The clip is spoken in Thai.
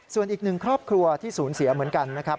ส่วนอีกหนึ่งครอบครัวที่สูญเสียเหมือนกันนะครับ